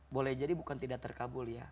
boleh jadi bukan tidak terkabul ya